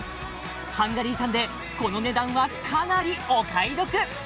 ハンガリー産でこの値段はかなりお買い得！